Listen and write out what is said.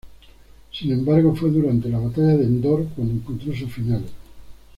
Sin embargo, fue durante la Batalla de Endor cuando encontró su final.